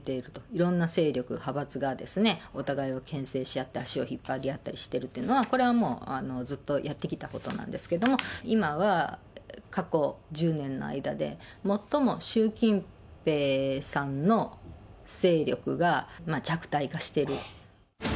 いろんな勢力、派閥がお互いをけん制し合って、足を引っ張りし合っているというのは、これはもう、ずっとやってきたことなんですけど、今は過去１０年の間で、最も習近平さんの勢力が弱体化してる。